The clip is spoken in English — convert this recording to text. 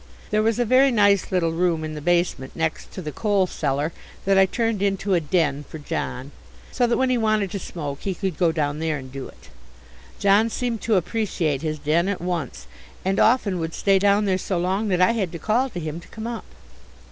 There was a very nice little room in the basement next to the coal cellar that I turned into a "den" for John, so that when he wanted to smoke he could go down there and do it. John seemed to appreciate his den at once, and often would stay down there so long that I had to call to him to come up.